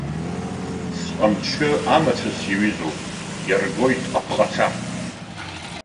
Сҟамчы амацәыс иаҩызоуп, иаргоит апҟаца.